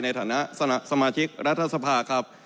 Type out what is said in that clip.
ในฐานะสมาชิกรัฐสภาครับ